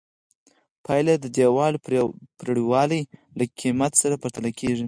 پایله یې د دیوال پرېړوالي له قېمت سره پرتله کړئ.